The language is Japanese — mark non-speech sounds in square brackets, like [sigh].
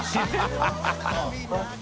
ハハハ [laughs]